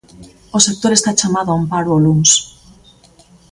O sector está chamado a un paro o luns.